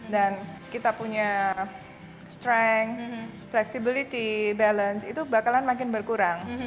dan kita punya strength flexibility balance itu bakalan makin berkurang